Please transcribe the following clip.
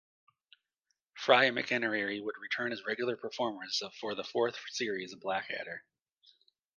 Fry and McInnerny would return as regular performers for the fourth series of "Blackadder".